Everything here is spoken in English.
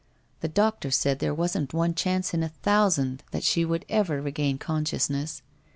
The doctor said there wasn't one chance in a thousand that she would ever regain con sciousness.